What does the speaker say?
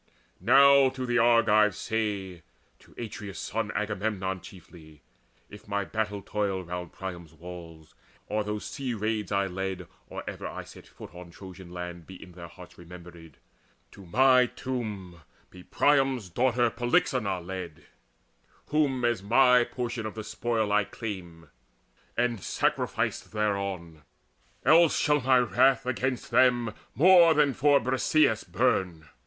Now to the Argives say to Atreus' son Agamemnon chiefly if my battle toil Round Priam's walls, and those sea raids I led Or ever I set foot on Trojan land, Be in their hearts remembered, to my tomb Be Priam's daughter Polyxeina led Whom as my portion of the spoil I claim And sacrificed thereon: else shall my wrath Against them more than for Briseis burn.